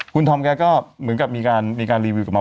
คุณธอมแกก็เหมือนกับมีการรีวิวออกมา